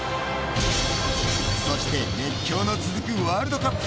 そして熱狂の続くワールドカップ。